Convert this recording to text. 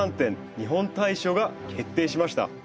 日本大賞が決定しました。